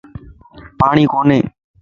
پاڻين ڪوني.